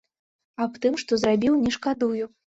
Аб тым, што зрабіў, не шкадую.